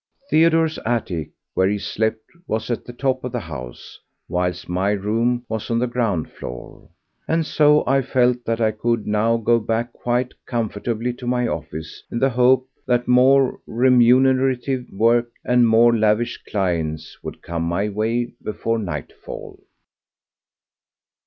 Theodore's attic, where he slept, was at the top of the house, whilst my room was on the ground floor, and so I felt that I could now go back quite comfortably to my office in the hope that more remunerative work and more lavish clients would come my way before nightfall.